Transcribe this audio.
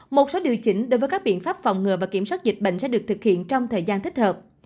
một số điều chỉnh đối với các biện pháp phòng ngừa và kiểm soát dịch bệnh sẽ được thực hiện trong thời gian thích hợp